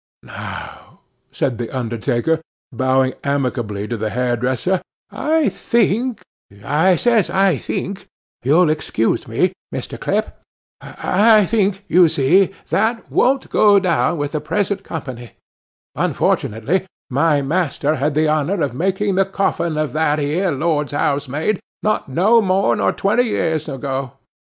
'Now,' said the undertaker, bowing amicably to the hairdresser, 'I think, I says I think—you'll excuse me, Mr. Clip, I think, you see, that won't go down with the present company—unfortunately, my master had the honour of making the coffin of that ere Lord's housemaid, not no more nor twenty year ago.